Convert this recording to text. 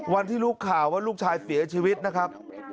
วันที่รู้ข่าวว่าลูกชายเสียชีวิตนะครับ